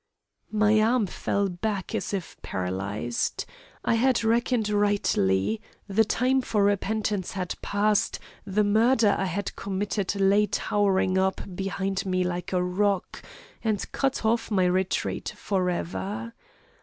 My arm fell back as if paralysed. I had reckoned rightly, the time for repentance had passed, the murder I had committed lay towering up behind me like a rock, and cut off my retreat for ever.